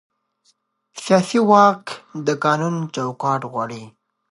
سیاسي واک د قانون چوکاټ غواړي